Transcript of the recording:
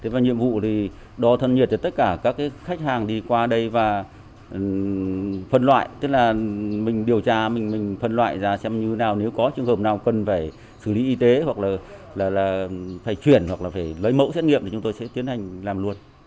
và nhiệm vụ thì đo thân nhiệt cho tất cả các khách hàng đi qua đây và phân loại tức là mình điều tra mình phân loại ra xem như thế nào nếu có trường hợp nào cần phải xử lý y tế hoặc là phải chuyển hoặc là phải lấy mẫu xét nghiệm thì chúng tôi sẽ tiến hành làm luôn